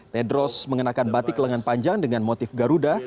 tedros mengenakan batik lengan panjang dengan motif garuda